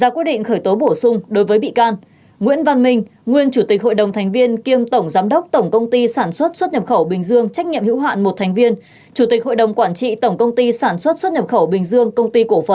huỳnh thanh hải nguyên chủ tịch hội đồng thành viên kiêm tổng giám đốc công ty trách nhiệm hữu hạn